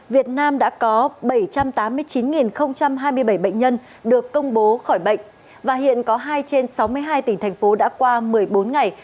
việt nam đã có bảy trăm tám mươi chín hai mươi bảy bệnh nhân được công bố khỏi bệnh và hiện có hai trên sáu mươi hai tỉnh thành phố đã qua một mươi bốn ngày